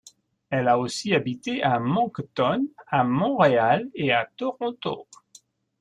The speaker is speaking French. Elle a aussi habité à Moncton, à Montréal et à Toronto.